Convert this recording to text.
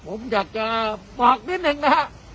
ผมอยากจะบอกนิดหนึ่งนะครับ